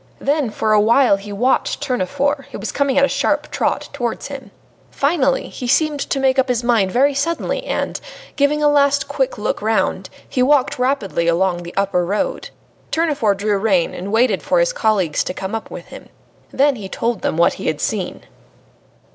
Then for a while he watched Tournefort, who was coming at a sharp trot towards him. Finally, he seemed to make up his mind very suddenly and, giving a last, quick look round, he walked rapidly along the upper road. Tournefort drew rein, waited for his colleagues to come up with him. Then he told them what he had seen.